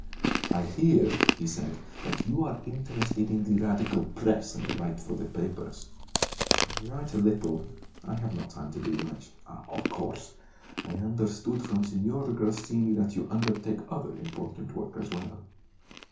"I hear," he said, "that you are interested in the radical press, and write for the papers." "I write a little; I have not time to do much." "Ah, of course! I understood from Signora Grassini that you undertake other important work as well."